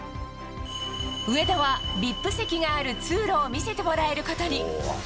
上田はＶＩＰ席がある通路を見せてもらえることに。